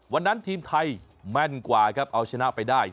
วันนั้นทีมไทยแม่นกว่าครับเอาชนะไปได้